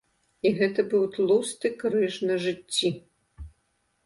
І гэта быў тлусты крыж на жыцці.